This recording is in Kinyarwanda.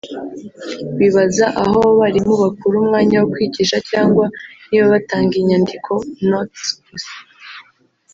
wibaza aho abo barimu bakura umwanya wo kwigisha cyangwa niba batanga inyandiko (notes) gusa